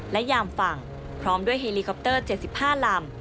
และยามฝั่งพร้อมด้วยเฮลีคอปเตอร์เจสิบห้าลำ